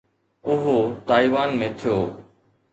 اهو تائيوان ۾ ٿيو.